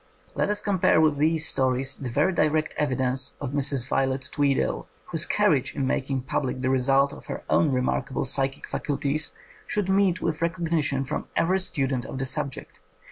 Let us compare with these stories the very direct evidence of Mrs. Violet Tweedale, whose courage in making public the result of her own remarkable psychic faculties should meet with recognition from every student of the subject.